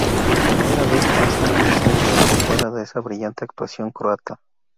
Pero una vez más una lesión, lo dejó fuera de esa brillante actuación croata.